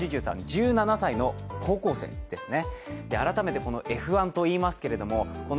１７歳の高校生ですね。